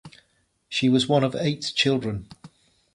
She was one of eight children.